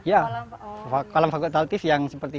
ya kolam fakultatif yang seperti